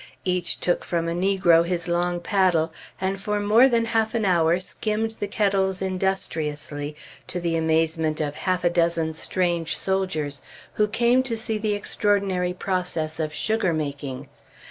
Each took from a negro his long paddle, and for more than half an hour skimmed the kettles industriously, to the amazement of half a dozen strange soldiers who came to see the extraordinary process of sugar making.